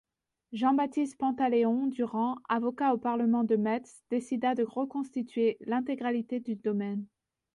Jean-Baptiste Pantaléon Durand, avocat au parlement de Metz, décida de reconstituer l'intégralité du domaine.